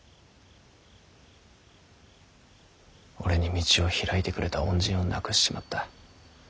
俺に道を開いてくれた恩人を亡くしちまった。